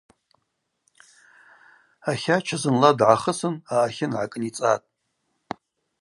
Атлача зынла дгӏахысын аъатлын гӏакӏницӏатӏ.